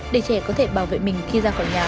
để trẻ có thể bảo vệ mình khi ra khỏi nhà